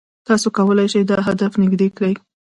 تاسو کولای شئ دا هدف نږدې کړئ.